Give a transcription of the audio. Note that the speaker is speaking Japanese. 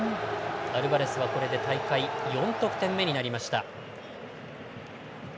アルバレスはこれで大会４得点目になりました。